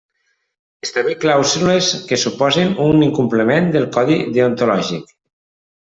Establir clàusules que suposin un incompliment del Codi Deontològic.